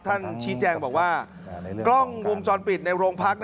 ท่านชี้แจงบอกว่ากล้องวงจรปิดในโรงพัก